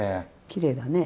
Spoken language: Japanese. きれいだね。